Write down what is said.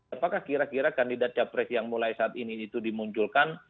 apakah kira kira kandidat capres yang mulai saat ini itu dimunculkan